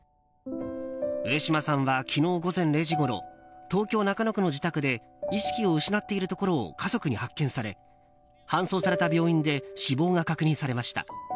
上島さんは昨日午前０時ごろ東京・中野区の自宅で意識を失っているところを家族に発見され搬送された病院で死亡が確認されました。